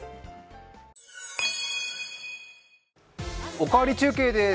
「おかわり中継」です。